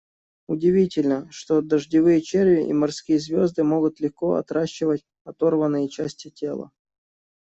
Удивительно, что дождевые черви и морские звезды могут легко отращивать оторванные части тела.